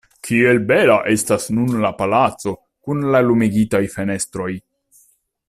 Kiel bela estas nun la palaco kun la lumigitaj fenestroj!